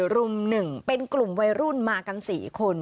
รุม๑เป็นกลุ่มวัยรุ่นมากัน๔คน